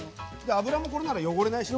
油もこれなら汚れないしね。